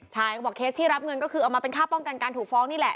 ใช่เขาบอกเคสที่รับเงินก็คือเอามาเป็นค่าป้องกันการถูกฟ้องนี่แหละ